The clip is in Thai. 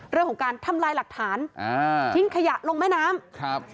เรื่องของการทำลายหลักฐานอ่าทิ้งขยะลงแม่น้ำครับ